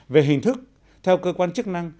về hình thức theo cơ quan chức năng